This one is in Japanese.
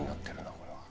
これは。